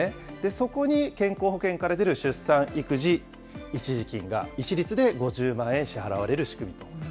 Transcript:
そこに健康保険から出る出産育児一時金が一律で５０万円支払われ